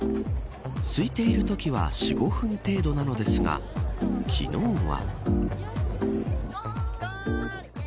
すいているときは４、５分程度なのですが昨日は。